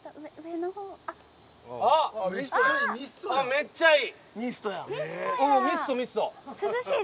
めっちゃいい！